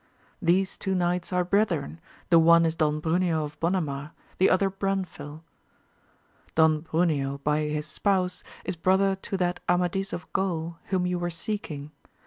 These twa knights are brethren, the one is Don Bruneo of Bonamar, the other Branfil. Don Bruneo, by his spouse, is brother to that Amadis of Gaul whom you were seeking.